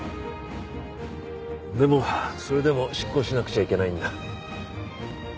でもそれでも執行しなくちゃいけないんだ。